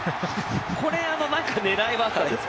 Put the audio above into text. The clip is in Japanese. これ、何か狙いはあったんですか？